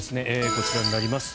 こちらになります。